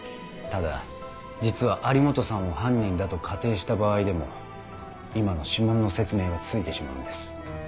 ただ実は有本さんを犯人だと仮定した場合でも今の指紋の説明がついてしまうんです。